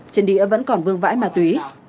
trên đĩa vẫn còn vương vãi ma túy